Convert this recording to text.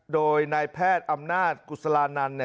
โดยนายแพทย์อำนาจกุศลานันต์